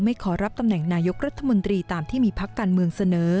ขอรับตำแหน่งนายกรัฐมนตรีตามที่มีพักการเมืองเสนอ